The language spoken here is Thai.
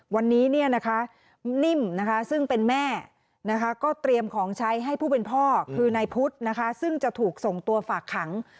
วันนี้เนี่ยนะคะนิ่มนะคะซึ่งเป็นแม่นะคะก็เตรียมของใช้ให้ผู้เป็นพ่อคือนายพุทธนะคะซึ่งจะถูกส่งตัวฝากขัง